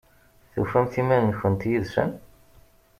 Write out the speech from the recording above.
Tufamt iman-nkent yid-sen?